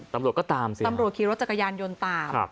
ตำรวจก็ตามสิตำรวจขี่รถจักรยานยนต์ตาม